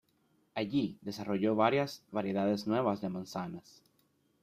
Allí desarrolló varias variedades nuevas de manzanas.